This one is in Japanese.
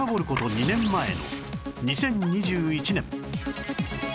２年前の２０２１年